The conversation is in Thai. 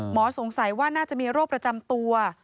สงสัยว่าน่าจะมีโรคประจำตัว